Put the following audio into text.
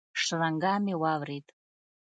شرنگا مې واورېد.